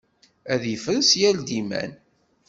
ad yefres yal d iman.